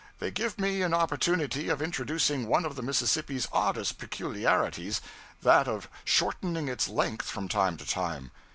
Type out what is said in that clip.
They give me an opportunity of introducing one of the Mississippi's oddest peculiarities, that of shortening its length from time to time.